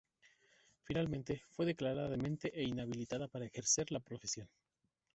Finalmente, fue declarada demente e inhabilitada para ejercer la profesión.